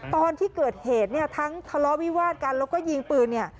ตอนที่เกิดเหตุเนี่ยทั้งทะเลาะวิวาดกันแล้วก็ยิงปืนเนี่ย